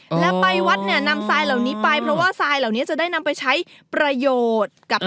แล้วไปวัดนำทรายเหล่านี้ไปจะได้นำไปใช้ประโยค